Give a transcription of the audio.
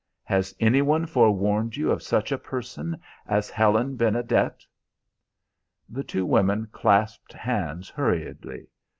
Has any one forewarned you of such a person as Helen Benedet?" The two women clasped hands hurriedly.